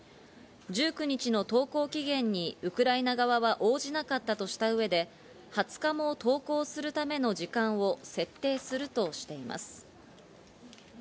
１９日の投降期限にウクライナ側は応じなかったとした上で２０日も投降するための時間を設定するとしています。